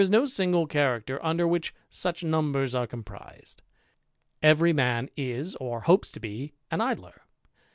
277 ^ no single character under which such numbers are ^naprised. Every man is, or hopes to be, an Idler.